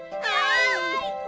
はい！